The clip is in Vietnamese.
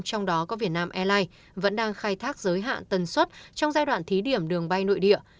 trong đó có việt nam airlines vẫn đang khai thác giới hạn tần suất trong giai đoạn thí điểm đường bay nội địa